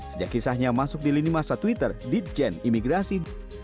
sejak kisahnya masuk di lini masa twitter ditjen imigrasi